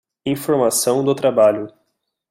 Informação do trabalho